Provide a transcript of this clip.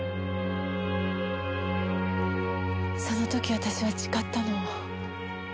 その時私は誓ったの。